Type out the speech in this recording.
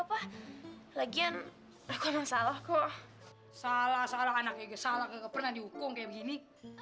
apa lagi aneh apa masalah kok salah salah anak instagram pernah dihukum kayak begini